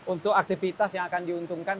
untuk aktivitas yang akan diuntungkan